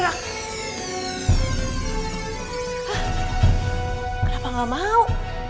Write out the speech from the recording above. hah kenapa gak mau